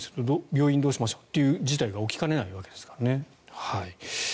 病院どうしましょうという事態が起きかねないわけですからね。